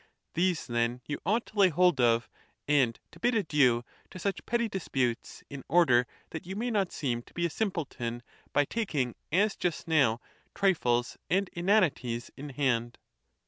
These then you ought to lay hold of, and to bid adieu to such petty disputes, in order that you may not seem to be a simpleton, by taking, as just now, trifles and inanities in hand.